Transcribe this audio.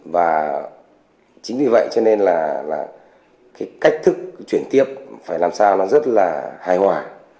và chính vì vậy cho nên là cái cách thức chuyển tiếp phải làm sao nó rất là hài hòa